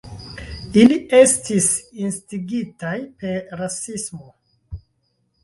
Ili estis instigitaj per rasismo.